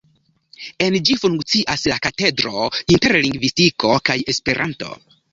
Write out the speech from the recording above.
En ĝi funkcias la Katedro Interlingvistiko kaj Esperanto.